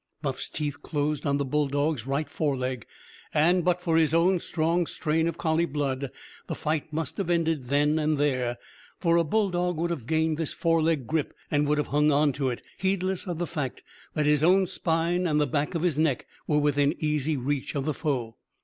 Buff's teeth closed on the bulldog's right foreleg. And, but for his own strong strain of collie blood, the fight must have ended then and there. For a bulldog would have gained this foreleg grip and would have hung onto it, heedless of the fact that his own spine and the back of his neck were within easy reach of the foe.